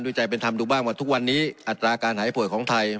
ใจเป็นธรรมดูบ้างว่าทุกวันนี้อัตราการหายป่วยของไทย